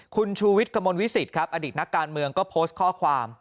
คุณชูวิทย์กระมวลวิสิตครับอดีตนักการเมืองก็โพสต์ข้อความ